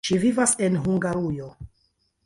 Ŝi vivas en Hungarujo.